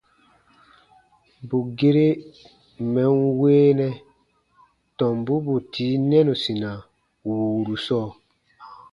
Bù gere mɛ̀ n weenɛ tɔmbu bù tii nɛnusina wùuru sɔɔ.